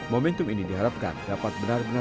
momentum ini diharapkan dapat benar benar